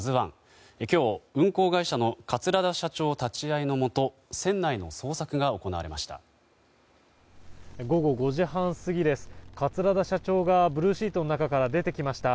今日、運航会社の桂田社長立ち会いのもと船内の捜索が行われました。